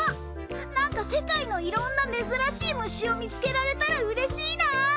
なんか世界のいろんな珍しい虫を見つけられたらうれしいな！